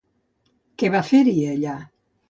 Què va fer-hi allà?